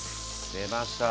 出ました。